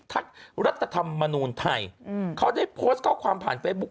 รัฐธรรมนูลไทยเขาได้โพสต์ข้อความผ่านเฟซบุ๊ค